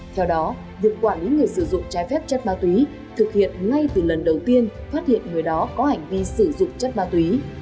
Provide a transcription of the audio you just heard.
theo đó việc quản lý người sử dụng trái phép chất ma túy thực hiện ngay từ lần đầu tiên phát hiện người đó có hành vi sử dụng chất ma túy